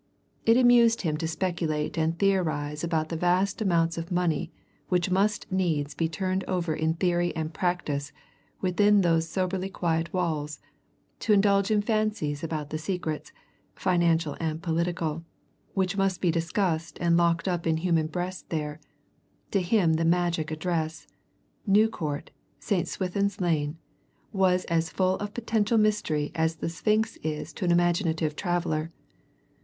It amused him to speculate and theorize about the vast amounts of money which must needs be turned over in theory and practice within those soberly quiet walls, to indulge in fancies about the secrets, financial and political, which must be discussed and locked up in human breasts there to him the magic address, New Court, St. Swithin's Lane, was as full of potential mystery as the Sphinx is to an imaginative traveller.